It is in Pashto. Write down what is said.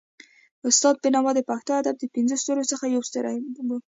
استاد بينوا د پښتو ادب د پنځو ستورو څخه يو ستوری وو.